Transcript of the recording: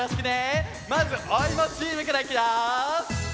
まずおいもチームからいくよ。